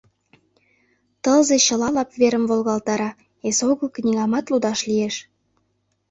Тылзе чыла лап верым волгалтара, эсогыл книгамат лудаш лиеш.